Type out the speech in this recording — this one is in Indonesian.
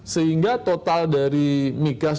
sehingga total dari migas